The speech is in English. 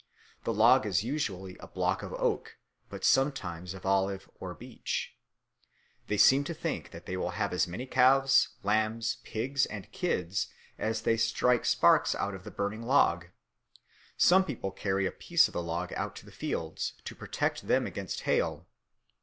The log is usually a block of oak, but sometimes of olive or beech. They seem to think that they will have as many calves, lambs, pigs, and kids as they strike sparks out of the burning log. Some people carry a piece of the log out to the fields to protect them against hail.